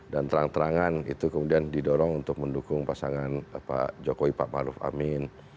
dan terang terangan itu kemudian didorong untuk mendukung pasangan pak jokowi pak maruf amin